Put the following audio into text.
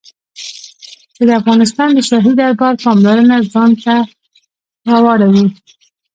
چې د افغانستان د شاهي دربار پاملرنه ځان ته را واړوي.